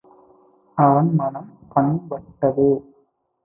அவன் மனம் பண்பட்டது.